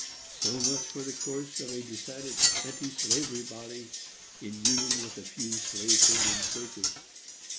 So much for the course of a decided anti slavery body in union with a few slave holding churches.